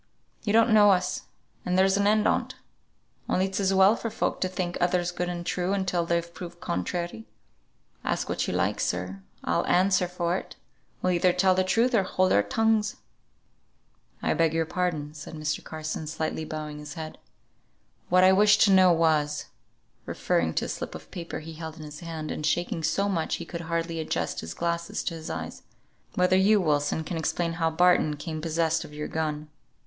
You don't know us, and there's an end on't; only it's as well for folk to think others good and true until they're proved contrary. Ask what you like, sir, I'll answer for it we'll either tell truth or hold our tongues." "I beg your pardon," said Mr. Carson, slightly bowing his head. "What I wished to know was," referring to a slip of paper he held in his hand, and shaking so much he could hardly adjust his glasses to his eyes, "whether you, Wilson, can explain how Barton came possessed of your gun.